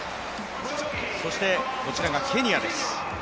そしてこちらがケニアです。